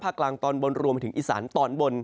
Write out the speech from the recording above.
ภาคกลางตอนบนรวมถึงอิสรานตอนบน